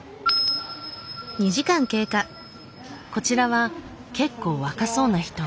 こちらは結構若そうな人。